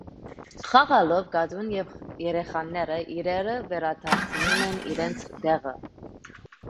Խաղալով կատուն և երեխաները իրերը վերադարձնում են իրենց տեղը։